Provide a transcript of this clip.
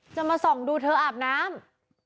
จะมาส่องดูเธออาบน้ำ